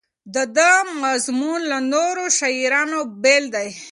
د ده مضمون له نورو شاعرانو بېل دی.